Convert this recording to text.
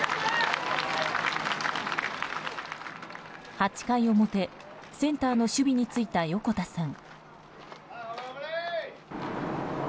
８回表、センターの守備に就いた横田さん。